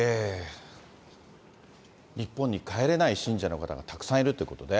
日本に帰れない信者の方がたくさんいるということで。